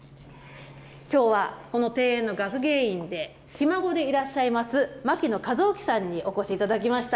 きょうはこの庭園の学芸員で、ひ孫でいらっしゃいます、牧野かずおきさんにお越しいただきました。